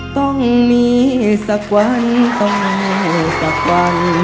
ต้องมีสักวันต้องมีสักวัน